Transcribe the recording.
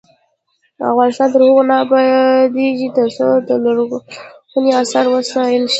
افغانستان تر هغو نه ابادیږي، ترڅو لرغوني اثار وساتل نشي.